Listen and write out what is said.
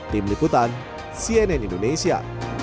tim liputan cnn indonesia